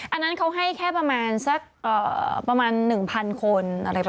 อันนั้นเค้าให้แค่ประมาณสักประมาณหนึ่งพันคน